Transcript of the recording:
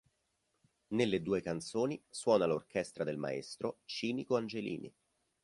Nelle due canzoni suona l'orchestra del maestro Cinico Angelini.